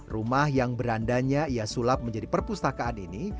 rumah yang berandanya ia sulap menjadi perpustakaan ini